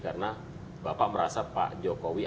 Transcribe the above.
karena bapak merasa pak jokowi